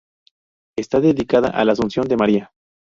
Está dedicada a la Asunción de María.